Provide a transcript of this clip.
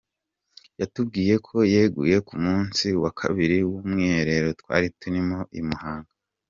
Yatubwiye ko yeguye ku munsi wa kabiri w’umwiherero twari turimo i Muhanga.